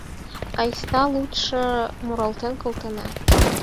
Айста лучше муралтен колтена